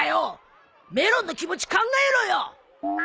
メロンの気持ち考えろよ！